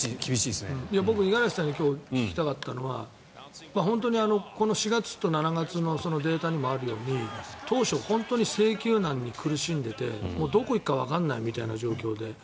五十嵐さんに今日聞きたかったのは本当にこの４月と７月のデータにあるように当初、制球難に苦しんでいてどこ行くかわからないみたいな状況で。